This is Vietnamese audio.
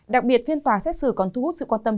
đặc biệt phiên tòa xét xử còn thu hút sự quan tâm